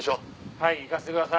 はい行かせてください。